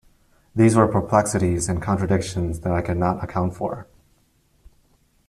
These were perplexities and contradictions that I could not account for.